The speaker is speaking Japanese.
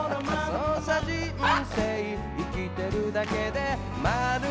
そうさ人生生きてるだけでまる